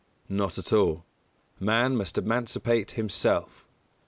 Not at all. Man must emancipate himself.